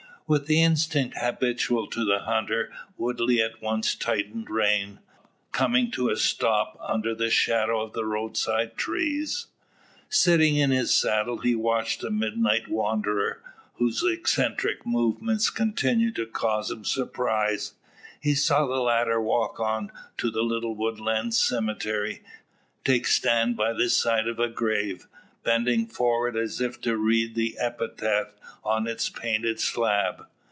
With the instinct habitual to the hunter Woodley at once tightened rein, coming to a stop under the shadow of the roadside trees. Sitting in his saddle he watched the midnight wanderer, whose eccentric movements continued to cause him surprise. He saw the latter walk on to the little woodland cemetery, take stand by the side of a grave, bending forward as if to read the epitaph on its painted slab.